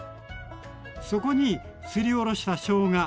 そこにすりおろしたしょうが